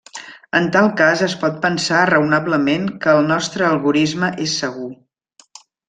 En tal cas es pot pensar raonablement que el nostre algorisme és segur.